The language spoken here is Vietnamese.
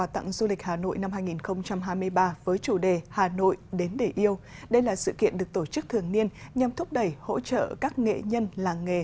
thứt hiện phản ứng